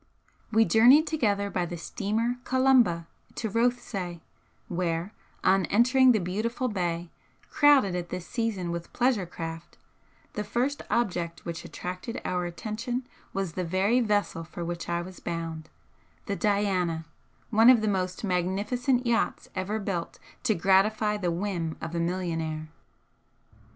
We journeyed together by the steamer 'Columba' to Rothesay, where, on entering the beautiful bay, crowded at this season with pleasure craft, the first object which attracted our attention was the very vessel for which I was bound, the 'Diana,' one of the most magnificent yachts ever built to gratify the whim of a millionaire.